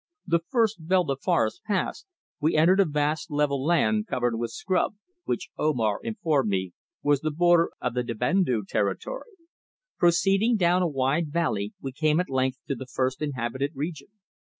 The first belt of forest passed we entered a vast level land covered with scrub, which Omar informed me was the border of the Debendu territory. Proceeding down a wide valley we came at length to the first inhabited region.